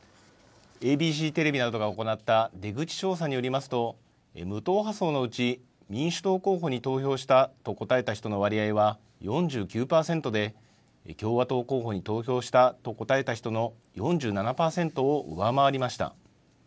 ＡＢＣテレビなどが行った出口調査によりますと、無党派層のうち、民主党候補に投票したと答えた人の割合は４９％で、共和党候補に投票したと答えた人の４７％を上回りました。